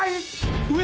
上！